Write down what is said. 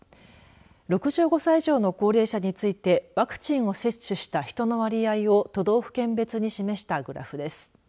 ６５歳以上の高齢者についてワクチンを接種した人の割合を都道府県別に示したグラフです。